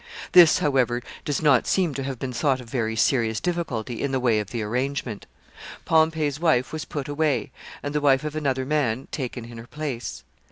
This, however, does not seem to have been thought a very serious difficulty in the way of the arrangement. Pompey's wife was put away, and the wife of another man taken in her place.